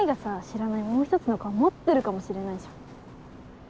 知らないもう一つの顔持ってるかもしれないじゃん！